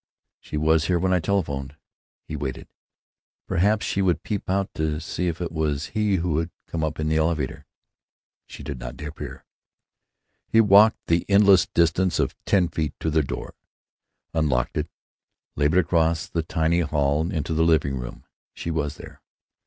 "She was here when I telephoned——" He waited. Perhaps she would peep out to see if it was he who had come up in the elevator. She did not appear. He walked the endless distance of ten feet to their door, unlocked it, labored across the tiny hall into the living room. She was there.